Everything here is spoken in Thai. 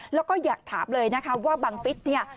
แล้วก็อยากถามเลยนะคะว่าบังฟิศเนี่ย